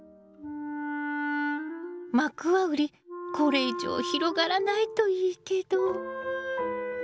マクワウリこれ以上広がらないといいけど。